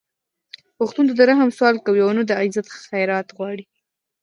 پښتون نه د رحم سوال کوي او نه د عزت خیرات غواړي